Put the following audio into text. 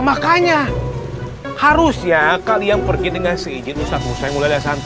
nah makanya harusnya kalian pergi dengan seijin ustadz musa yang mulai berpengalaman ya